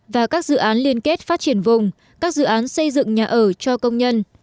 và các dự án liên kết phát triển vùng các dự án xây dựng nhà ở cho công nhân